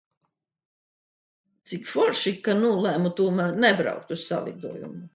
Cik forši, ka nolēmu tomēr nebraukt uz salidojumu!